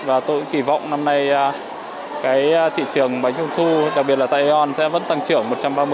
và tôi cũng kỳ vọng năm nay cái thị trường bánh trung thu đặc biệt là tại aeon sẽ vẫn tăng trưởng một trăm ba mươi một trăm năm mươi